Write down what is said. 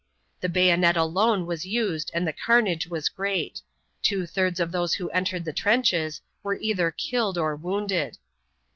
The bayonet alone was used and the carnage was great two thirds of those who entered the trenches were either killed or wounded.